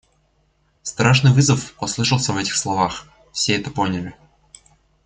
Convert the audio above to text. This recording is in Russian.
Страшный вызов послышался в этих словах, все это поняли.